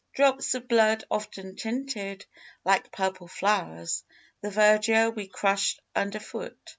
Drops of blood often tinted, like purple flowers, the verdure we crushed under foot.